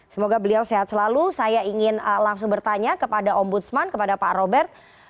semoga beliau sehat selalu saya ingin langsung bertanya kepada ombudsman kepada pak robert